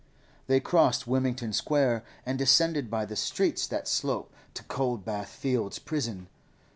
They crossed Wilmington Square and descended by the streets that slope to Coldbath Fields Prison.